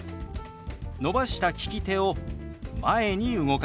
伸ばした利き手を前に動かします。